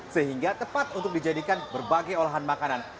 sehingga tepat untuk dijadikan berbagai olahan makanan